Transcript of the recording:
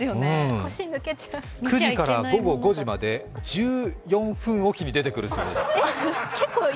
９時から午後５時まで１４分置きに出てくるそうです。